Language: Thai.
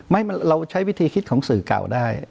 ไม่ไม่ว่าเราใช้วิธีคิดของสื่อก่าวได้